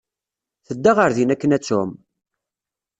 Tedda ɣer din akken ad tɛum.